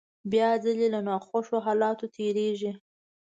بيا ځلې له ناخوښو حالاتو تېرېږي.